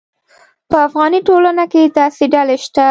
په افغاني ټولنه کې داسې ډلې شته.